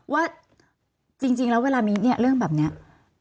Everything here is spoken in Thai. ว่าจริงแล้วเวลาเรียงนี้เรื่องแบบอย่างเนี้ย